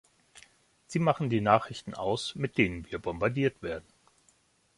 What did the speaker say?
Sie machen die Nachrichten aus, mit denen wir bombardiert werden.